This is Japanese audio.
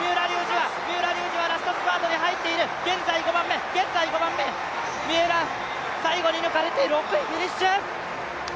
三浦龍司はラストスパートに入っている、現在５番目、三浦、最後に抜かれて６位フィニッシュ。